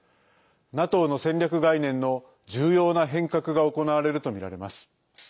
ＮＡＴＯの戦略概念の重要な変革が行われるとみられます。